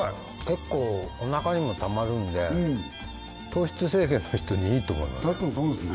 結構お腹にもたまるんで糖質制限の人にいいと思います